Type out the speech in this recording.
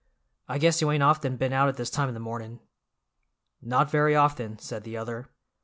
"I guess you ain't often been out at this time in the mornin'." "Not very often," said the other.